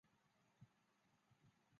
伊达政宗的外祖父。